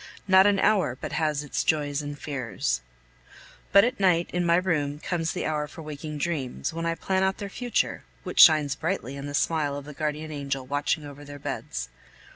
Not an hour but has its joys and fears. But at night, in my room, comes the hour for waking dreams, when I plan out their future, which shines brightly in the smile of the guardian angel, watching over their beds.